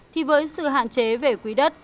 thì với sự hạn chế về quý đất